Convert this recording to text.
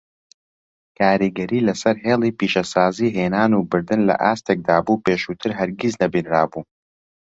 کاریگەری لەسەر هێڵی پیشەسازی هێنان و بردن لە ئاستێکدا بوو پێشووتر هەرگیز نەبینرابوو.